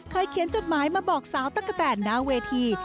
เขียนจดหมายมาบอกสาวตั๊กกะแตนหน้าเวที